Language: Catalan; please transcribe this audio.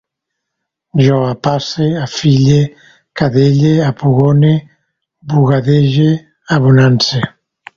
Jo apasse, afille, cadelle, apugone, bugadege, abonance